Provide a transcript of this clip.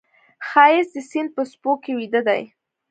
ښایست د سیند په څپو کې ویده دی